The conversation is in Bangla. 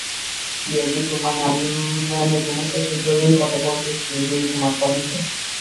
ইয়ে মিতু মানে তোমাকে একটা জরুরি কথা বলতে চাচ্ছিলাম, যদি তোমার সময় হয়।